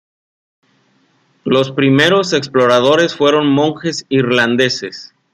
Los primeros exploradores fueron monjes irlandeses.